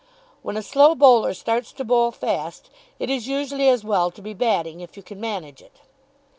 When a slow bowler starts to bowl fast, it is usually as well to be batting, if you can manage it.